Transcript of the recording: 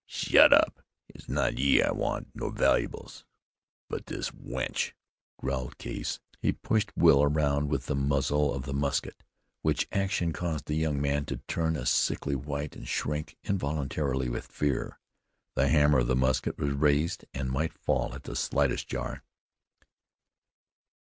"Shut up! It's not ye I want, nor valuables, but this wench," growled Case. He pushed Will around with the muzzle of the musket, which action caused the young man to turn a sickly white and shrink involuntarily with fear. The hammer of the musket was raised, and might fall at the slightest jar.